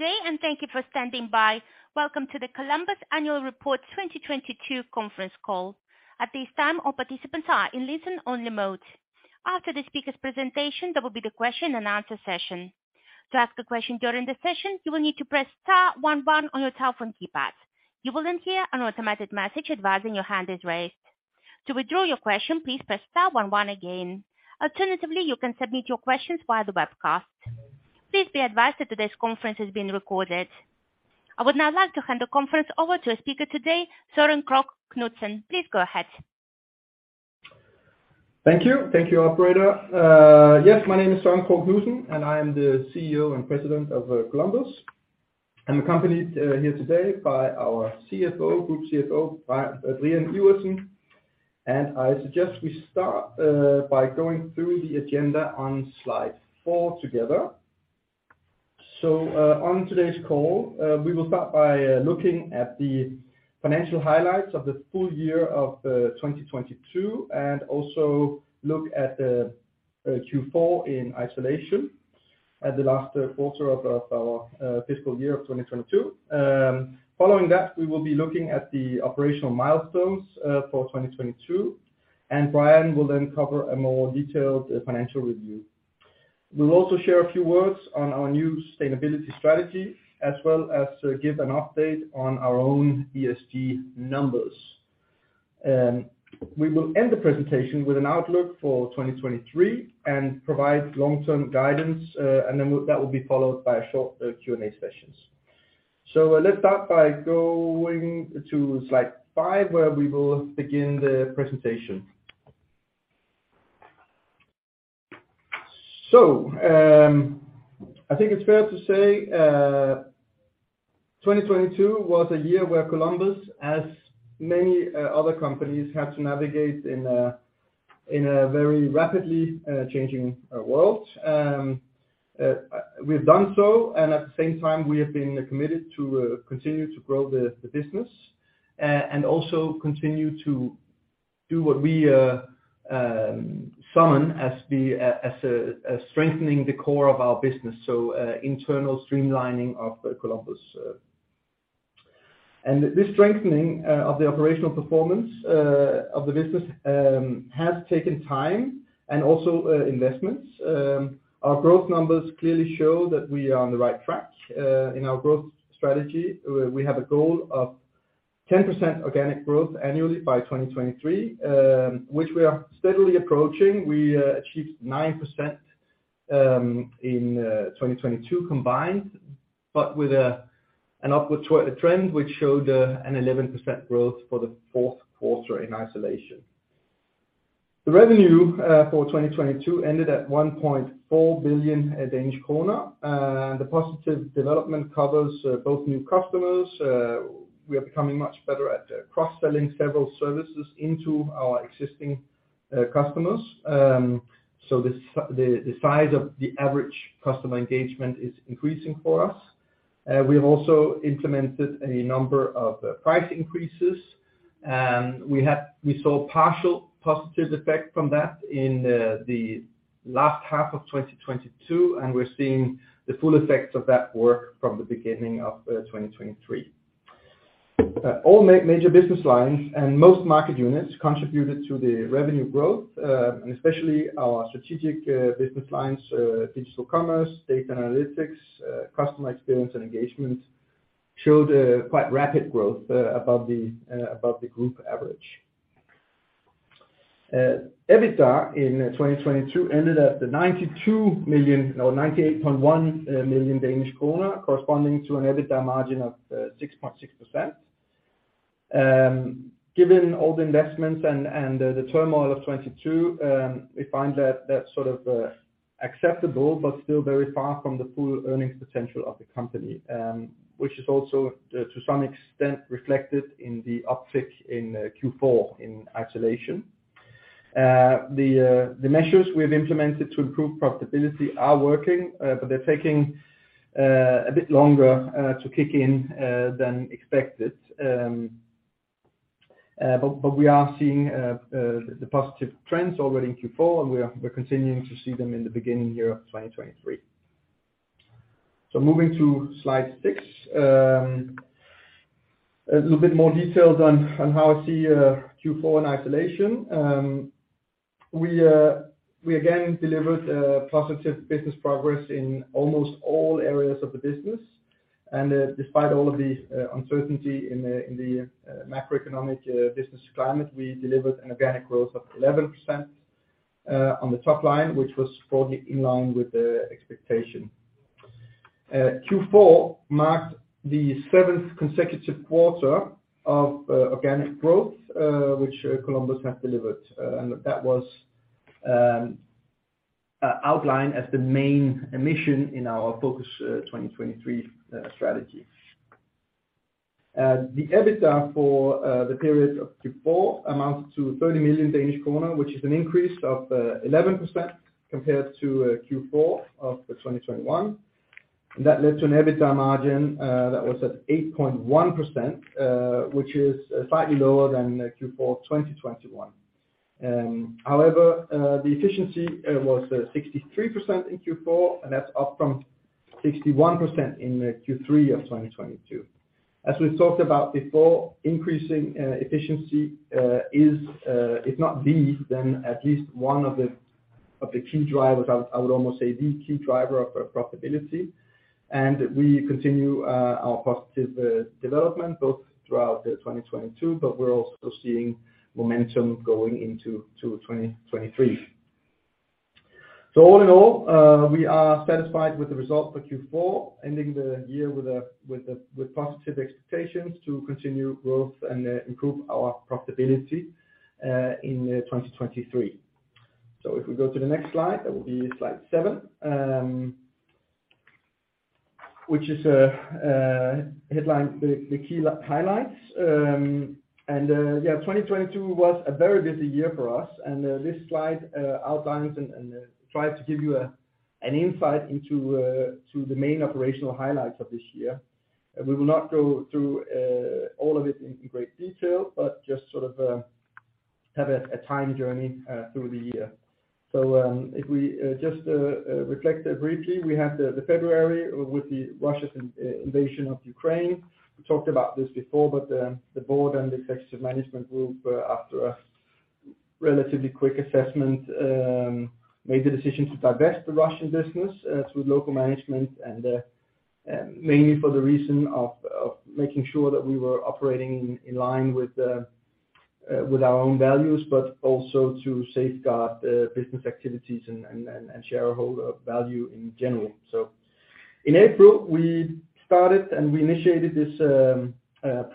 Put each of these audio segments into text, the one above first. Good day, and thank you for standing by. Welcome to the Columbus Annual Report 2022 conference call. At this time, all participants are in listen only mode. After the speaker's presentation, there will be the question and answer session. To ask a question during the session, you will need to press star one one on your telephone keypad. You will then hear an automatic message advising your hand is raised. To withdraw your question, please press star one one again. Alternatively, you can submit your questions via the webcast. Please be advised that today's conference is being recorded. I would now like to hand the conference over to a speaker today, Søren Krogh Knudsen. Please go ahead. Thank you. Thank you, operator. Yes, my name is Søren Krogh Knudsen, and I am the CEO and President of Columbus. I'm accompanied here today by our CFO, Group CFO, Brian Iversen. I suggest we start by going through the agenda on slide four together. On today's call, we will start by looking at the financial highlights of the full year of 2022, and also look at the Q4 in isolation as the last quarter of our fiscal year of 2022. Following that, we will be looking at the operational milestones for 2022, and Brian will then cover a more detailed financial review. We'll also share a few words on our new sustainability strategy, as well as give an update on our own ESG numbers. We will end the presentation with an outlook for 2023 and provide long-term guidance, and then that will be followed by a short Q&A sessions. Let's start by going to slide five, where we will begin the presentation. I think it's fair to say, 2022 was a year where Columbus, as many other companies, had to navigate in a very rapidly changing world. We've done so, and at the same time, we have been committed to continue to grow the business, and also continue to do what we summon as the strengthening the core of our business. Internal streamlining of Columbus. And this strengthening of the operational performance of the business has taken time and also investments. Our growth numbers clearly show that we are on the right track. In our growth strategy, we have a goal of 10% organic growth annually by 2023, which we are steadily approaching. We achieved 9% in 2022 combined, but with an upward trend which showed an 11% growth for the fourth quarter in isolation. The revenue for 2022 ended at 1.4 billion Danish kroner. The positive development covers both new customers. We are becoming much better at cross-selling several services into our existing customers. The size of the average customer engagement is increasing for us. We have also implemented a number of price increases, and we saw partial positive effect from that in the last half of 2022, and we're seeing the full effects of that work from the beginning of 2023. All major business lines and most market units contributed to the revenue growth, and especially our strategic business lines, Digital Commerce, Data Analytics, Customer Experience and Engagement showed quite rapid growth above the group average. EBITDA in 2022 ended at 92 million or 98.1 million Danish kroner, corresponding to an EBITDA margin of 6.6%. Given all the investments and the turmoil of 2022, we find that that's sort of acceptable but still very far from the full earnings potential of the company, which is also to some extent reflected in the uptick in Q4 in isolation. The measures we've implemented to improve profitability are working, but they're taking a bit longer to kick in than expected. We are seeing the positive trends already in Q4, and we're continuing to see them in the beginning year of 2023. Moving to slide six. A little bit more details on how I see Q4 in isolation. We again delivered positive business progress in almost all areas of the business. Despite all of the uncertainty in the macroeconomic business climate, we delivered an organic growth of 11% on the top line, which was broadly in line with the expectation. Q4 marked the seventh consecutive quarter of organic growth, which Columbus has delivered, and that was outlined as the main mission in our Focus23 strategy. The EBITDA for the period of Q4 amounted to 30 million Danish kroner, which is an increase of 11% compared to Q4 of 2021. That led to an EBITDA margin that was at 8.1%, which is slightly lower than Q4 2021. However, the efficiency was 63% in Q4, and that's up from 61% in Q3 of 2022. As we've talked about before, increasing efficiency is if not the, then at least one of the key drivers, I would almost say the key driver of our profitability. We continue our positive development both throughout 2022, but we're also seeing momentum going into 2023. All in all, we are satisfied with the result for Q4, ending the year with positive expectations to continue growth and improve our profitability in 2023. If we go to the next slide, that will be slide seven, which is headline the key highlights. 2022 was a very busy year for us. This slide outlines and tries to give you an insight into the main operational highlights of this year. We will not go through all of it in great detail, but just sort of have a time journey through the year. If we just reflect briefly, we have the February with Russia's invasion of Ukraine. We talked about this before, but the board and the executive management group, after a relatively quick assessment, made the decision to divest the Russian business through local management and mainly for the reason of making sure that we were operating in line with our own values, but also to safeguard business activities and shareholder value in general. In April, we started, and we initiated this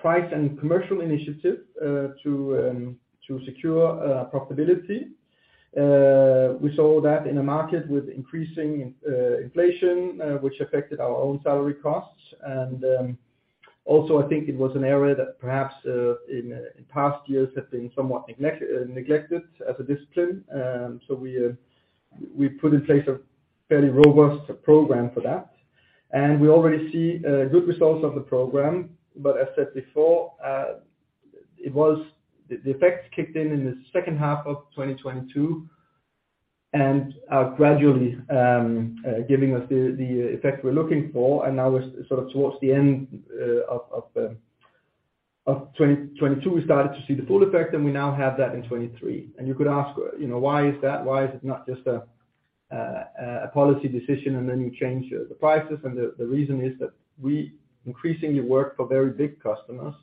price and commercial initiative to secure profitability. We saw that in a market with increasing inflation, which affected our own salary costs. Also, I think it was an area that perhaps in past years had been somewhat neglected as a discipline. We put in place a fairly robust program for that. We already see good results of the program. As said before, the effects kicked in in the second half of 2022 and are gradually giving us the effect we're looking for. Now we're sort of towards the end of 2022, we started to see the full effect, and we now have that in 2023. You could ask, you know, why is that? Why is it not just a policy decision, and then you change the prices? The reason is that we increasingly work for very big customers,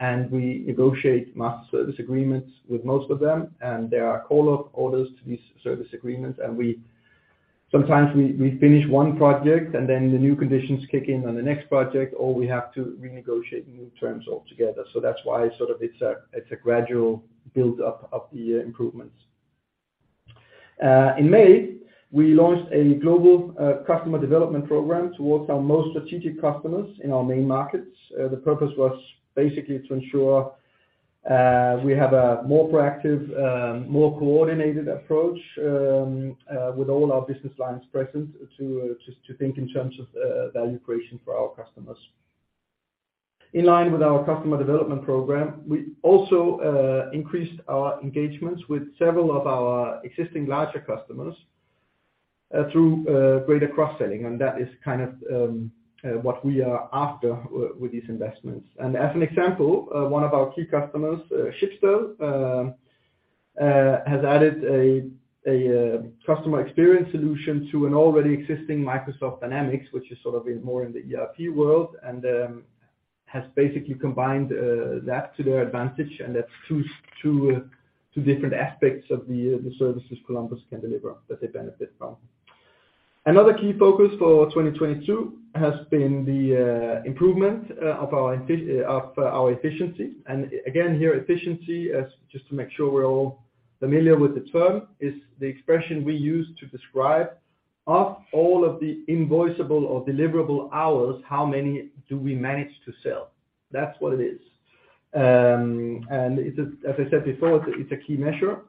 and we negotiate master service agreements with most of them. There are call-up orders to these service agreements. We sometimes finish one project, and then the new conditions kick in on the next project, or we have to renegotiate new terms altogether. That's why sort of it's a gradual build-up of the improvements. In May, we launched a global Customer Development Program towards our most strategic customers in our main markets. The purpose was basically to ensure we have a more proactive, more coordinated approach with all our business lines present to think in terms of value creation for our customers. In line with our Customer Development Program, we also increased our engagements with several of our existing larger customers through greater cross-selling, and that is kind of what we are after with these investments. As an example, one of our key customers, Schibsted, has added a customer experience solution to an already existing Microsoft Dynamics, which is sort of in more in the ERP world, and has basically combined that to their advantage, and that's two different aspects of the services Columbus can deliver that they benefit from. Another key focus for 2022 has been the improvement of our efficiency. Again, here efficiency, as just to make sure we're all familiar with the term, is the expression we use to describe of all of the invoiceable or deliverable hours, how many do we manage to sell? That's what it is. It is, as I said before, it's a key measure.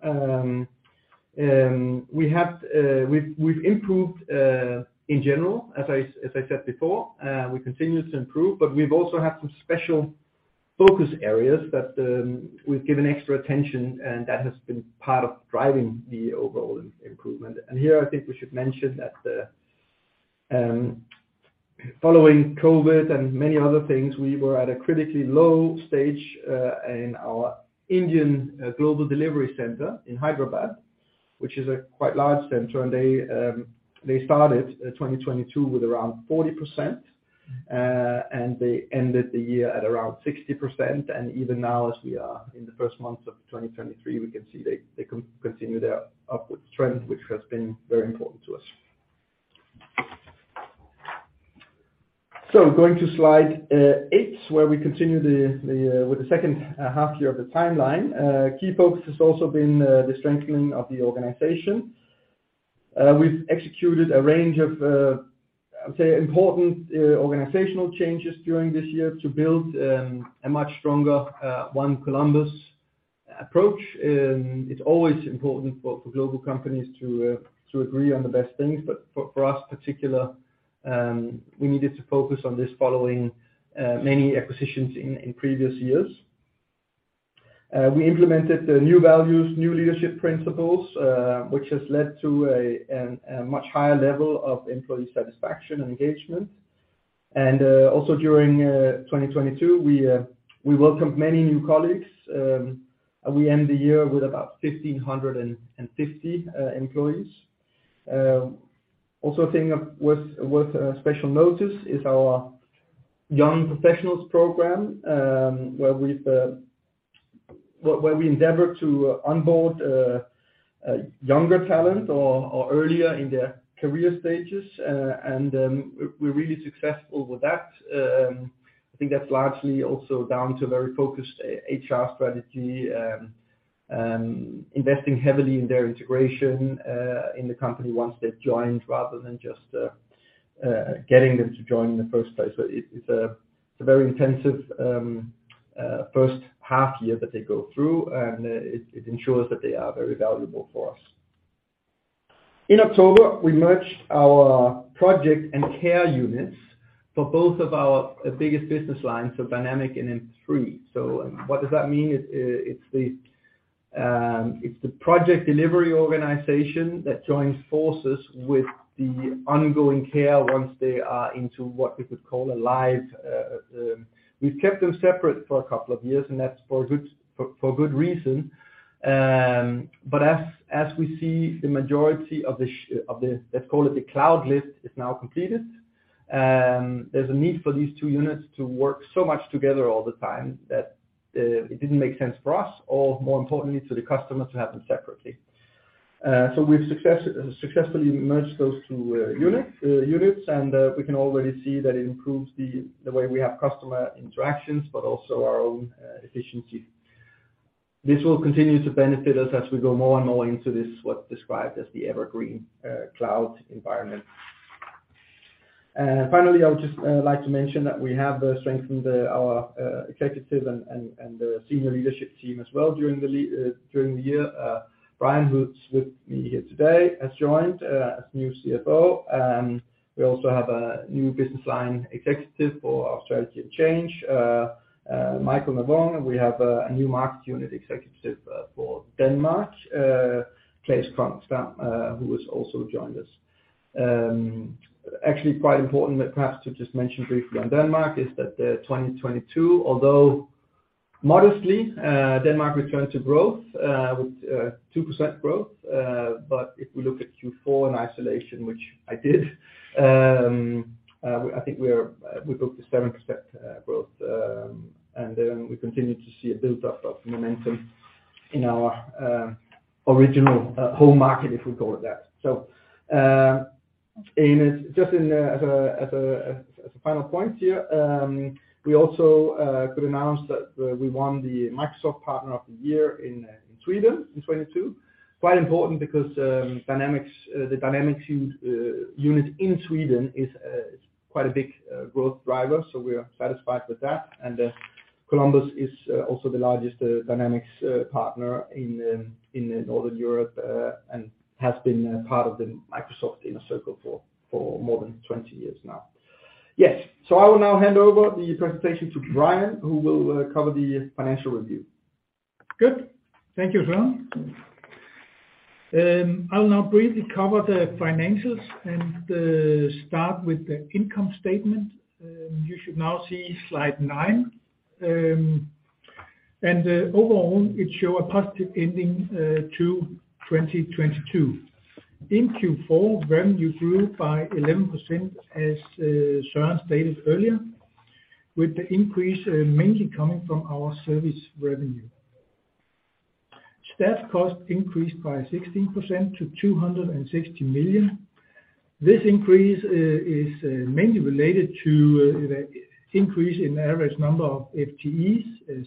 We have, we've improved in general, as I, as I said before, we continue to improve, but we've also had some special focus areas that we've given extra attention, and that has been part of driving the overall improvement. Here I think we should mention that, following COVID and many other things, we were at a critically low stage in our Global Delivery Center in Hyderabad, which is a quite large center. They started 2022 with around 40%, and they ended the year at around 60%. Even now, as we are in the first months of 2023, we can see they continue their upward trend, which has been very important to us. Going to slide eight, where we continue with the second half year of the timeline. Key focus has also been the strengthening of the organization. We've executed a range of, I would say, important organizational changes during this year to build a much stronger One Columbus approach. It's always important for global companies to agree on the best things, but for us particular, we needed to focus on this following many acquisitions in previous years. We implemented the new values, new leadership principles, which has led to a much higher level of employee satisfaction and engagement. Also during 2022, we welcomed many new colleagues. We end the year with about 1,550 employees. Also a thing of worth special notice is our Young Professionals program, where we endeavor to onboard younger talent or earlier in their career stages. We're really successful with that. I think that's largely also down to a very focused HR strategy, investing heavily in their integration in the company once they've joined, rather than just getting them to join in the first place. It's a very intensive first half year that they go through, and it ensures that they are very valuable for us. In October, we merged our project and care units for both of our biggest business lines, Dynamics and M3. What does that mean? It's the project delivery organization that joins forces with the ongoing care once they are into what we could call a live. We've kept them separate for a couple of years, and that's for good, for good reason. As we see the majority of the, let's call it the cloud lift is now completed, there's a need for these two units to work so much together all the time that it didn't make sense for us or more importantly to the customer to have them separately. We've successfully merged those two units, and we can already see that it improves the way we have customer interactions, but also our own efficiency. This will continue to benefit us as we go more and more into this, what's described as the evergreen cloud environment. Finally, I would just like to mention that we have strengthened our executive and senior leadership team as well during the year. Brian, who's with me here today, has joined as new CFO. We also have a new business line executive for our strategy and change, Michael Navon. We have a new market unit executive for Denmark, Claes Cronqvist, who has also joined us. Actually quite important perhaps to just mention briefly on Denmark is that 2022, although modestly, Denmark returned to growth with 2% growth. If we look at Q4 in isolation, which I did, I think we're, we booked a 7% growth. We continue to see a build-up of momentum in our original home market, if we call it that. Just as a final point here, we also could announce that we won the Microsoft Partner of the Year in Sweden in 2022. Quite important because Dynamics, the Dynamics unit in Sweden is quite a big growth driver. We're satisfied with that. Columbus is also the largest Dynamics partner in Northern Europe and has been a part of the Microsoft Inner Circle for more than 20 years now. I will now hand over the presentation to Brian, who will cover the financial review. Good. Thank you, Søren. I'll now briefly cover the financials and start with the income statement. You should now see slide nine. Overall, it show a positive ending to 2022. In Q4, revenue grew by 11%, as Soren stated earlier, with the increase mainly coming from our service revenue. Staff costs increased by 16% to 260 million. This increase is mainly related to the increase in average number of FTEs,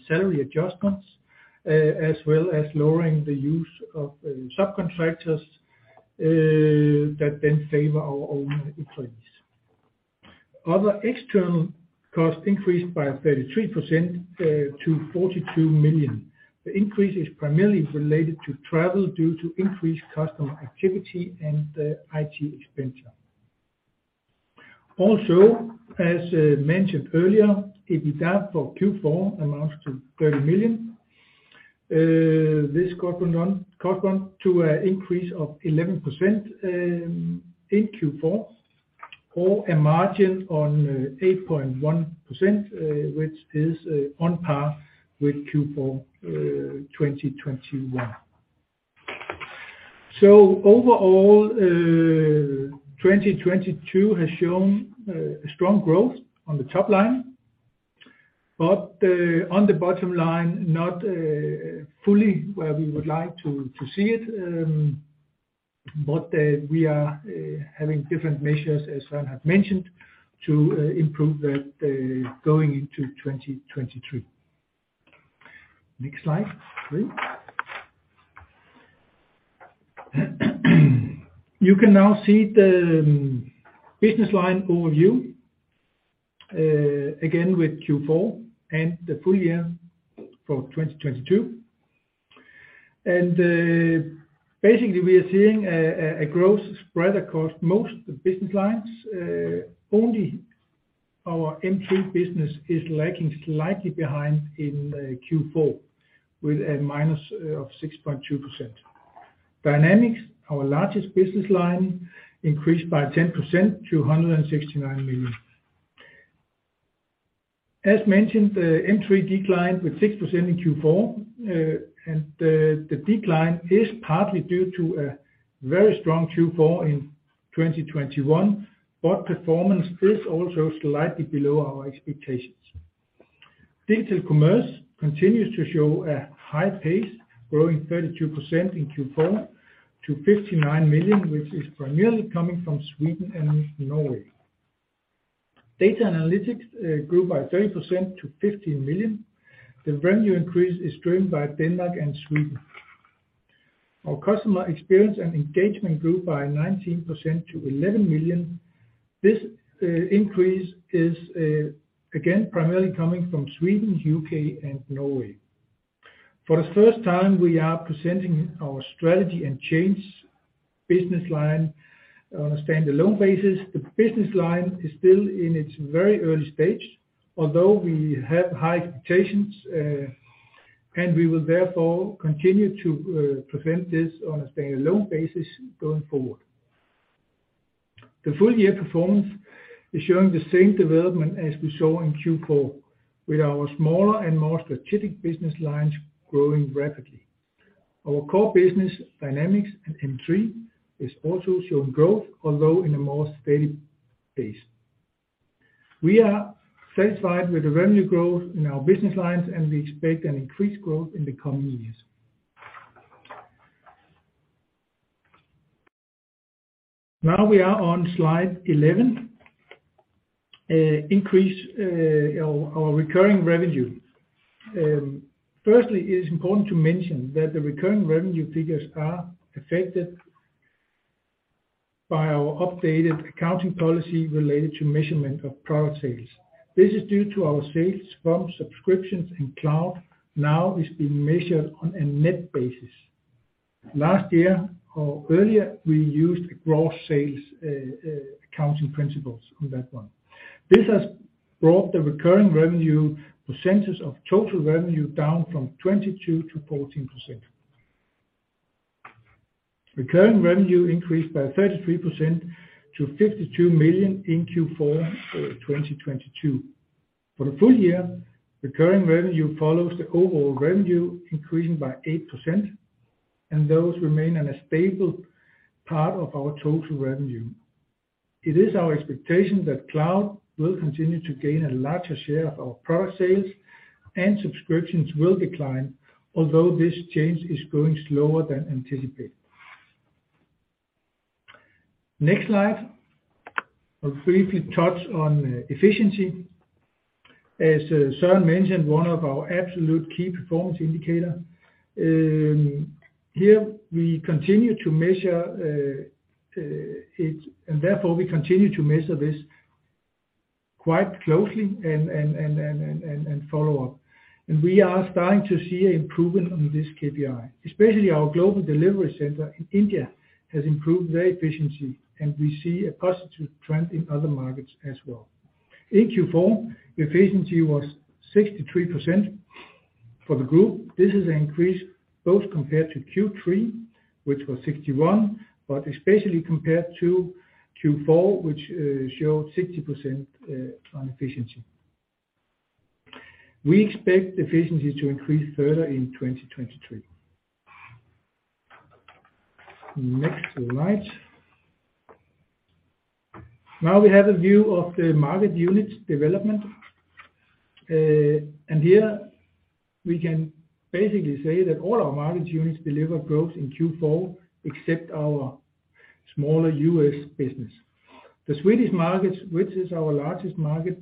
salary adjustments, as well as lowering the use of subcontractors that then favor our own employees. Other external costs increased by 33% to 42 million. The increase is primarily related to travel due to increased customer activity and IT expenditure. As mentioned earlier, EBITDA for Q4 amounts to 30 million. This correspond to a increase of 11% in Q4, or a margin on 8.1%, which is on par with Q4 2021. Overall, 2022 has shown a strong growth on the top line, but on the bottom line, not fully where we would like to see it. We are having different measures, as Søren had mentioned, to improve that going into 2023. Next slide please. You can now see the business line overview again with Q4 and the full year for 2022. Basically we are seeing a growth spread across most business lines. Only our M3 business is lagging slightly behind in Q4 with a minus of 6.2%. Dynamics, our largest business line, increased by 10% to 169 million. As mentioned, the M3 declined with 6% in Q4. The decline is partly due to a very strong Q4 in 2021, but performance is also slightly below our expectations. Digital Commerce continues to show a high pace, growing 32% in Q4 to 59 million, which is primarily coming from Sweden and Norway. data analytics grew by 30% to 15 million. The revenue increase is driven by Denmark and Sweden. Our customer experience and engagement grew by 19% to 11 million. This increase is again, primarily coming from Sweden, U.K. and Norway. For the first time, we are presenting our strategy and change business line on a stand-alone basis. The business line is still in its very early stage, although we have high expectations, and we will therefore continue to present this on a stand-alone basis going forward. The full year performance is showing the same development as we saw in Q4, with our smaller and more strategic business lines growing rapidly. Our core business, Dynamics and M3, is also showing growth, although in a more steady pace. We are satisfied with the revenue growth in our business lines, and we expect an increased growth in the coming years. Now we are on slide 11. Increase our recurring revenue. Firstly, it is important to mention that the recurring revenue figures are affected by our updated accounting policy related to measurement of product sales. This is due to our sales from subscriptions and cloud now is being measured on a net basis. Last year or earlier, we used gross sales accounting principles on that one. This has brought the recurring revenue percentage of total revenue down from 22%-14%. Recurring revenue increased by 33% to 52 million in Q4 2022. For the full year, recurring revenue follows the overall revenue increasing by 8%, and those remain in a stable part of our total revenue. It is our expectation that cloud will continue to gain a larger share of our product sales, and subscriptions will decline, although this change is growing slower than anticipated. Next slide. I'll briefly touch on efficiency. As Søren mentioned, one of our absolute key performance indicator. Here we continue to measure it, and therefore we continue to measure this quite closely and follow up. We are starting to see improvement on this KPI. Especially our Global Delivery Center in India has improved their efficiency, and we see a positive trend in other markets as well. In Q4, efficiency was 63% for the group. This is an increase both compared to Q3, which was 61%, but especially compared to Q4, which showed 60% on efficiency. We expect efficiency to increase further in 2023. Next slide. We have a view of the market units development. Here we can basically say that all our market units delivered growth in Q4, except our smaller U.S. business. The Swedish markets, which is our largest market,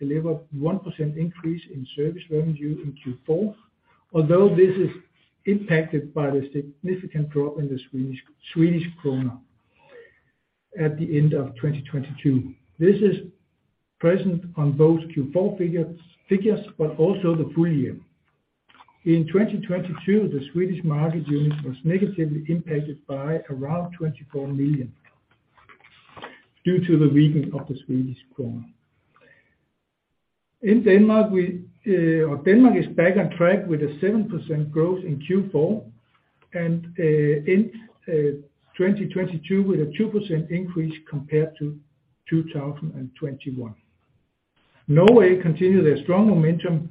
delivered 1% increase in service revenue in Q4. Although this is impacted by the significant drop in the Swedish krona at the end of 2022. This is present on both Q4 figures, but also the full year. In 2022, the Swedish market unit was negatively impacted by around 24 million due to the weakening of the Swedish krona. In Denmark is back on track with a 7% growth in Q4 and end 2022 with a 2% increase compared to 2021. Norway continued a strong momentum,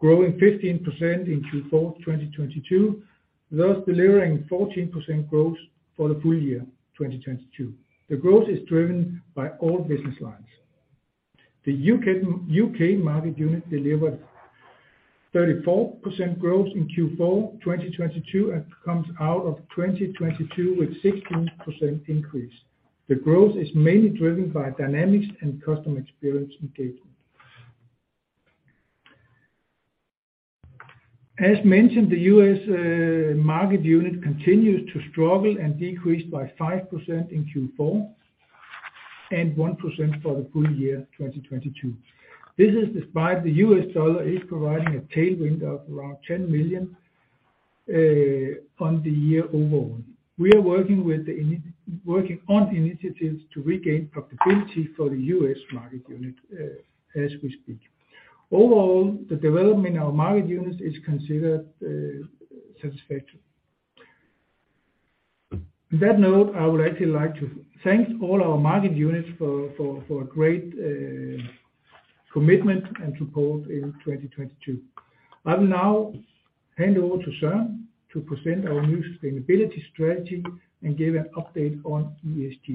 growing 15% in Q4 2022, thus delivering 14% growth for the full year 2022. The growth is driven by all business lines. The UK market unit delivered 34% growth in Q4 2022, and comes out of 2022 with 16% increase. The growth is mainly driven by Dynamics and customer experience engagement. As mentioned, the U.S. market unit continues to struggle and decrease by 5% in Q4. 1% for the full year 2022. This is despite the U.S. dollar is providing a tailwind of around $10 million on the year overall. We are working on initiatives to regain profitability for the U.S. market unit as we speak. Overall, the development of our market units is considered satisfactory. On that note, I would actually like to thank all our market units for a great commitment and support in 2022. I will now hand over to Søren to present our new sustainability strategy and give an update on ESG.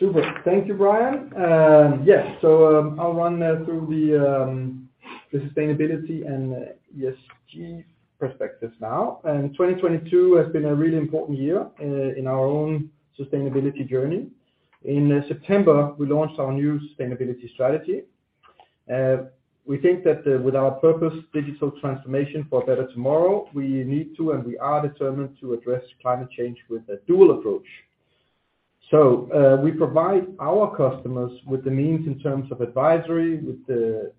Super. Thank you, Brian. I'll run through the sustainability and ESG perspectives now. 2022 has been a really important year in our own sustainability journey. In September, we launched our new sustainability strategy. We think that with our purpose, digital transformation for better tomorrow, we need to, and we are determined to address climate change with a dual approach. We provide our customers with the means in terms of advisory, with the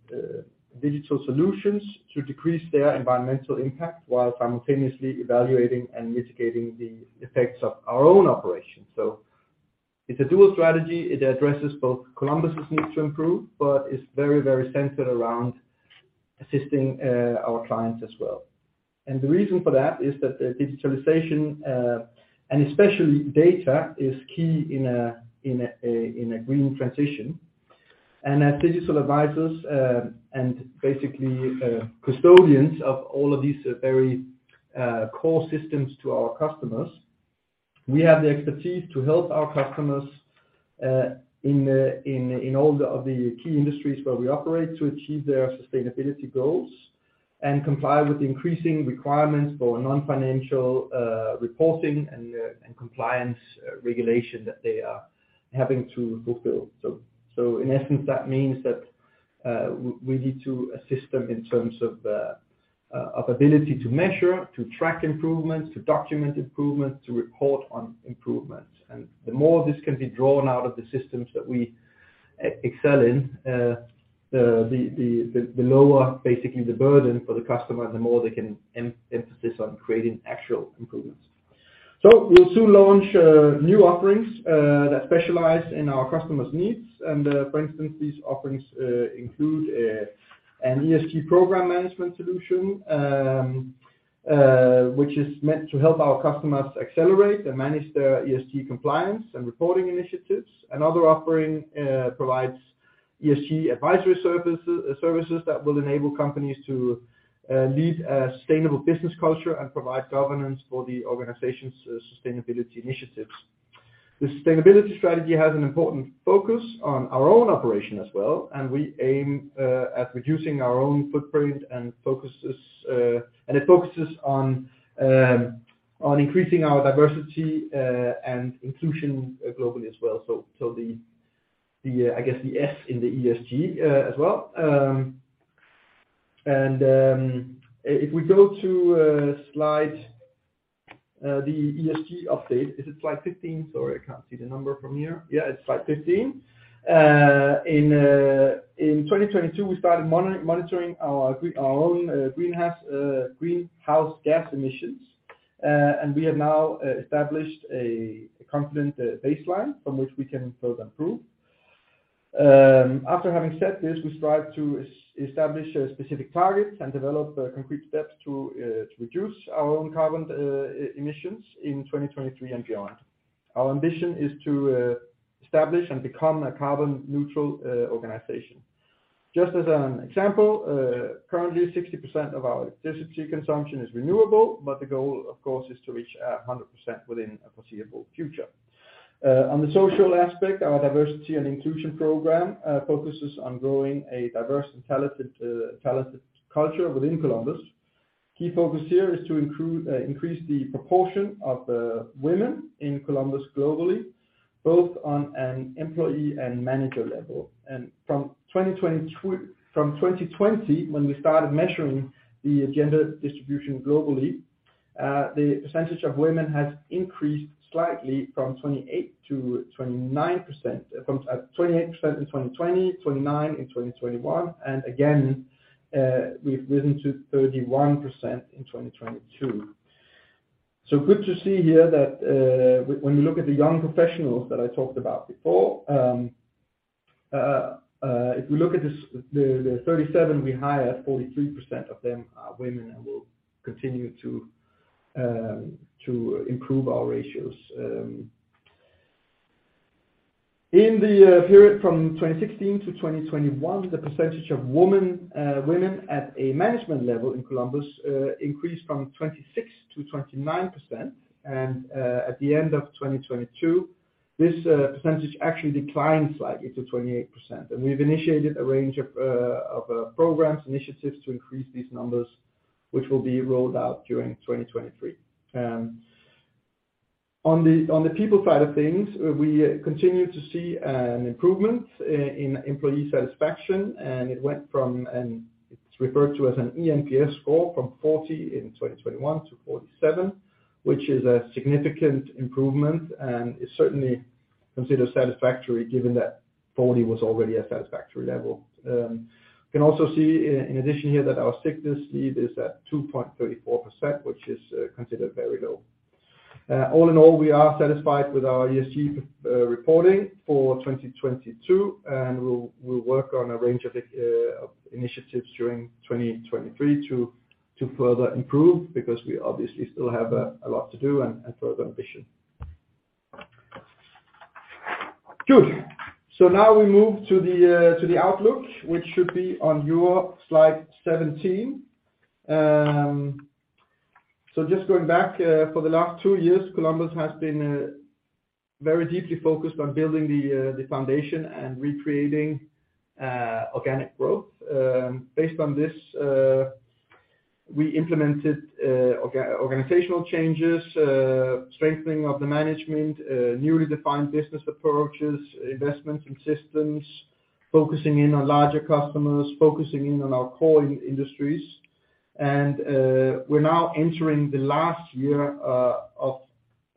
digital solutions to decrease their environmental impact, while simultaneously evaluating and mitigating the effects of our own operations. It's a dual strategy. It addresses both Columbus's need to improve, but it's very, very centered around assisting our clients as well. The reason for that is that the digitalization, and especially data is key in a green transition. As digital advisors, and basically, custodians of all of these very core systems to our customers, we have the expertise to help our customers in all of the key industries where we operate to achieve their sustainability goals and comply with increasing requirements for non-financial reporting and compliance regulation that they are having to fulfill. In essence, that means that we need to assist them in terms of ability to measure, to track improvements, to document improvements, to report on improvements. The more this can be drawn out of the systems that we excel in, the lower basically the burden for the customer, the more they can emphasis on creating actual improvements. We'll soon launch new offerings that specialize in our customers' needs. For instance, these offerings include an ESG Program Management Solution which is meant to help our customers accelerate and manage their ESG compliance and reporting initiatives. Another offering provides ESG Advisory Services, services that will enable companies to lead a sustainable business culture and provide governance for the organization's sustainability initiatives. The sustainability strategy has an important focus on our own operation as well. We aim at reducing our own footprint and it focuses on increasing our diversity and inclusion globally as well. The, I guess the S in the ESG as well. If we go to slide, the ESG update, is it slide 15? Sorry, I can't see the number from here. Yeah, it's slide 15. In 2022, we started monitoring our own greenhouse gas emissions. We have now established a confident baseline from which we can further improve. After having set this, we strive to establish specific targets and develop concrete steps to reduce our own carbon emissions in 2023 and beyond. Our ambition is to establish and become a carbon neutral organization. Just as an example, currently 60% of our electricity consumption is renewable, the goal, of course, is to reach 100% within a foreseeable future. On the social aspect, our diversity and inclusion program focuses on growing a diverse and talented culture within Columbus. Key focus here is to improve, increase the proportion of women in Columbus globally, both on an employee and manager level. From 2020, when we started measuring the gender distribution globally, the percentage of women has increased slightly from 28%-29%. From 28% in 2020, 29% in 2021, again, we've risen to 31% in 2022. Good to see here that when we look at the Young Professionals that I talked about before, if we look at the 37 we hired, 43% of them are women, and we'll continue to improve our ratios. In the period from 2016-2021, the percentage of women at a management level in Columbus increased from 26%-29%. At the end of 2022, this percentage actually declined slightly to 28%. We've initiated a range of programs, initiatives to increase these numbers, which will be rolled out during 2023. On the people side of things, we continue to see an improvement in employee satisfaction, and it went from It's referred to as an eNPS score from 40 in 2021 to 47, which is a significant improvement and is certainly considered satisfactory given that 40 was already a satisfactory level. You can also see in addition here that our sickness leave is at 2.34%, which is considered very low. All in all, we are satisfied with our ESG reporting for 2022, and we'll work on a range of initiatives during 2023 to further improve because we obviously still have a lot to do and further ambition. Good. Now we move to the outlook, which should be on your slide 17. Just going back, for the last two years, Columbus has been very deeply focused on building the foundation and recreating organic growth. Based on this, we implemented organizational changes, strengthening of the management, newly defined business approaches, investments in systems, focusing in on larger customers, focusing in on our core industries. We're now entering the last year of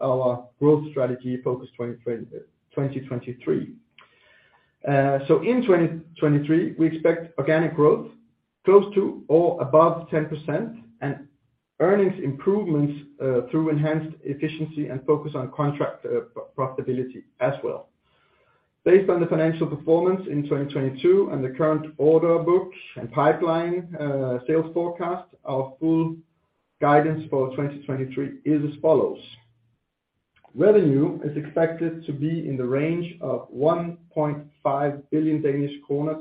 our growth strategy Focus23. In 2023, we expect organic growth close to or above 10% and earnings improvements through enhanced efficiency and focus on contract profitability as well. Based on the financial performance in 2022 and the current order book and pipeline, sales forecast, our full guidance for 2023 is as follows: Revenue is expected to be in the range of 1.5 billion-1.550 billion Danish kroner.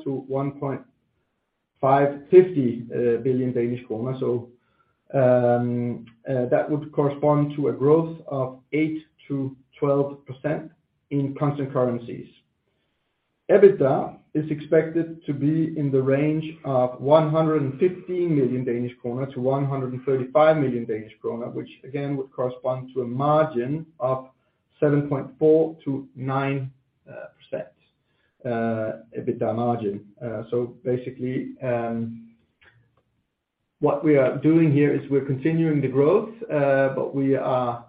That would correspond to a growth of 8%-12% in constant currencies. EBITDA is expected to be in the range of 150 million-135 million Danish kroner, which again would correspond to a margin of 7.4%-9% EBITDA margin. Basically, what we are doing here is we're continuing the growth, but we are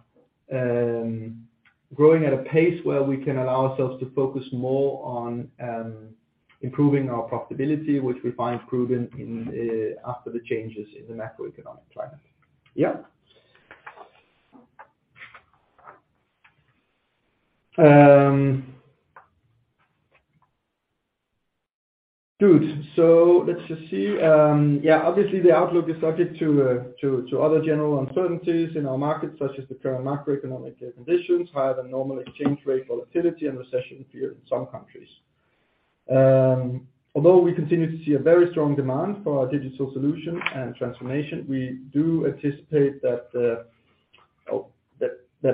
growing at a pace where we can allow ourselves to focus more on improving our profitability, which we find proven in after the changes in the macroeconomic climate. Yeah. Good. Let's just see. Yeah, obviously the outlook is subject to other general uncertainties in our market, such as the current macroeconomic conditions, higher than normal exchange rate volatility and recession fear in some countries. Although we continue to see a very strong demand for our digital solution and transformation, we do anticipate that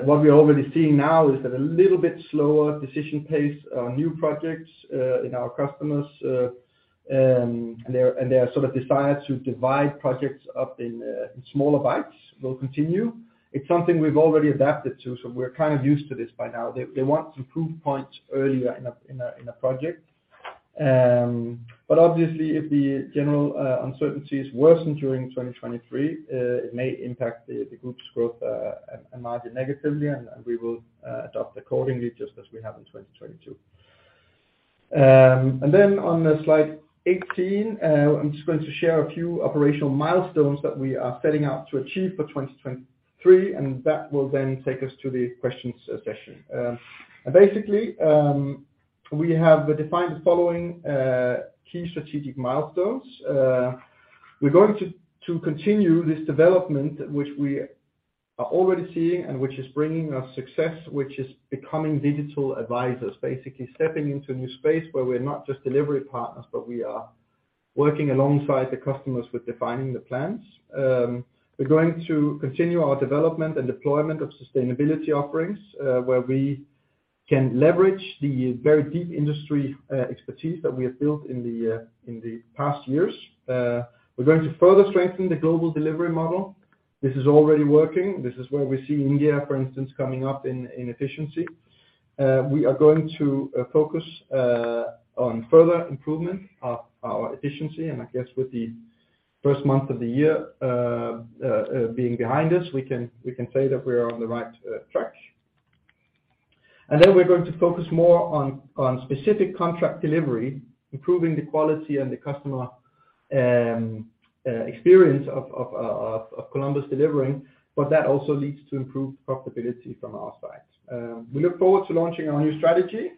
what we're already seeing now is that a little bit slower decision pace on new projects in our customers, and their sort of desire to divide projects up in smaller bites will continue. It's something we've already adapted to, so we're kind of used to this by now. They want some proof points earlier in a project. Obviously if the general uncertainties worsen during 2023, it may impact the group's growth and margin negatively and we will adopt accordingly just as we have in 2022. On the slide 18, I'm just going to share a few operational milestones that we are setting out to achieve for 2023, and that will then take us to the questions session. Basically, we have defined the following key strategic milestones. We're going to continue this development which we are already seeing and which is bringing us success, which is becoming digital advisors, basically stepping into a new space where we're not just delivery partners, but we are working alongside the customers with defining the plans. We're going to continue our development and deployment of sustainability offerings, where we can leverage the very deep industry expertise that we have built in the past years. We're going to further strengthen the global delivery model. This is already working. This is where we see India, for instance, coming up in efficiency. We are going to focus on further improvement of our efficiency. I guess with the first month of the year being behind us, we can say that we are on the right track. We're going to focus more on specific contract delivery, improving the quality and the customer experience of Columbus delivering, but that also leads to improved profitability from our side. We look forward to launching our new strategy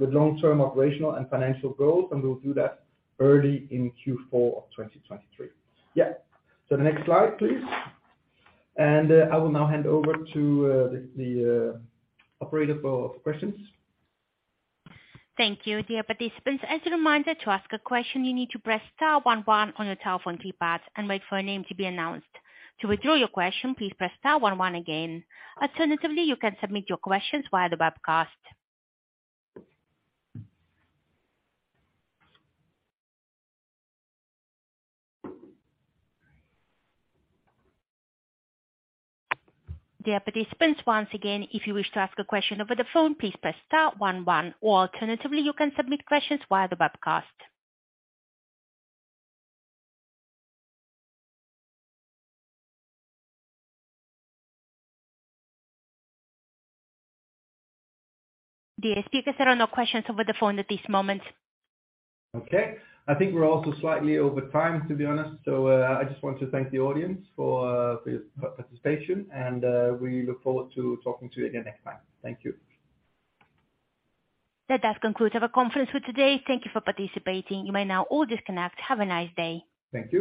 with long-term operational and financial goals, and we'll do that early in Q4 of 2023. Yeah. The next slide, please. I will now hand over to the operator for questions. Thank you. Dear participants, as a reminder, to ask a question, you need to press star one one on your telephone keypad and wait for a name to be announced. To withdraw your question, please press star one one again. Alternatively, you can submit your questions via the webcast. Dear participants, once again, if you wish to ask a question over the phone, please press star one one, or alternatively, you can submit questions via the webcast. Dear speakers, there are no questions over the phone at this moment. Okay. I think we're also slightly over time, to be honest. I just want to thank the audience for your participation and we look forward to talking to you again next time. Thank you. That does conclude our conference for today. Thank Thank you for participating. You may now all disconnect. Have a nice day. Thank you.